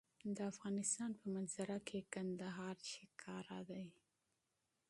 د افغانستان په منظره کې کندهار ښکاره ده.